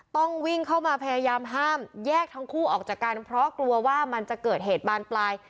ต้องวิ่งเข้ามาพยายามห้ามแยกทั้งคู่ออกจากกันเพราะกลัวว่ามันจะเกิดเหตุบานปลาย